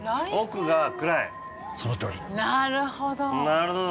なるほど。